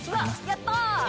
やった！